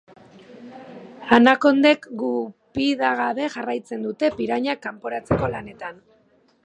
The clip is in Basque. Anakondek gupidagabe jarraitzen dute pirañak kanporatzeko lanetan.